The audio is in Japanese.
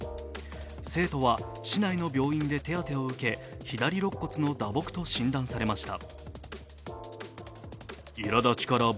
生徒は市内の病院で手当てを受け左ろっ骨の打撲と診断されました。